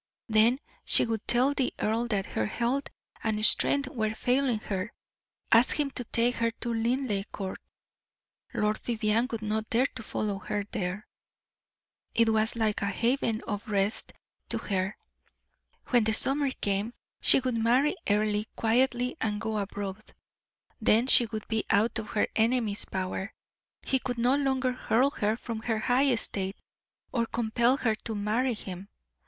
Then she would tell the earl that her health and strength were failing her; ask him to take her to Linleigh Court. Lord Vivianne would not dare to follow her there. It was like a haven of rest to her. When the summer came, she would marry Earle quietly and go abroad. Then she would be out of her enemy's power; he could no longer hurl her from her high estate, or compel her to marry him.